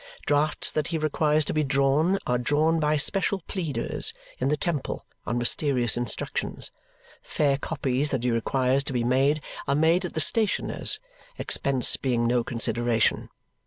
Drafts that he requires to be drawn are drawn by special pleaders in the temple on mysterious instructions; fair copies that he requires to be made are made at the stationers', expense being no consideration.